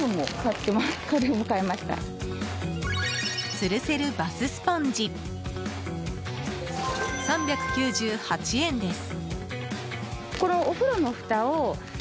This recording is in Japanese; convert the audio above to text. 吊るせるバススポンジ３９８円です。